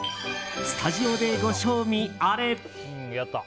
スタジオでご賞味あれ。